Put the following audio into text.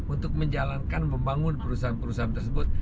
untuk menjalankan membangun perusahaan perusahaan tersebut